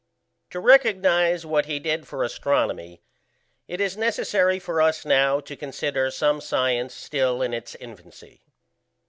To realize what he did for astronomy, it is necessary for us now to consider some science still in its infancy.